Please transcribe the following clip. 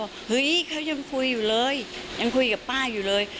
เฮ้ยเขายังคุยอยู่เลยยังคุยกับป้าอยู่เลย